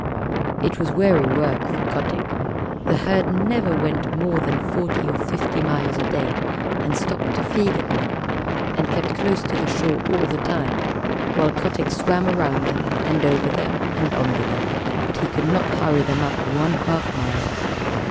It was weary work for Kotick. The herd never went more than forty or fifty miles a day, and stopped to feed at night, and kept close to the shore all the time; while Kotick swam round them, and over them, and under them, but he could not hurry them up one half mile.